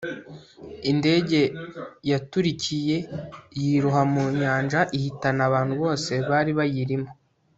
Indege yaturikiye yiroha mu nyanja ihitana abantu bose bari bayirimo